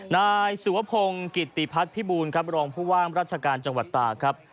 นายสุวพงศ์กิติพัฒน์พิบูลครับรองผู้ว่ามราชการจังหวัดตากครับ